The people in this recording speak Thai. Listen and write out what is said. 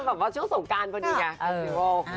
เมื่อช่วงสงการพอดีเนี่ย